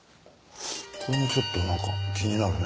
これもちょっとなんか気になるね。